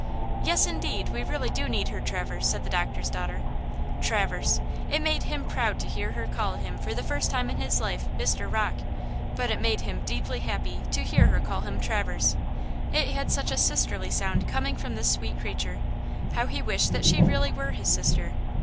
"Yes, indeed, we really do need her, Traverse," said the doctor's daughter. "Traverse!" It had made him proud to hear her call him for the first time in his life, "Mr. Rocke!" but it made him deeply happy to hear her call him "Traverse." It had such a sisterly sound coming from this sweet creature. How he wished that she really were his sister!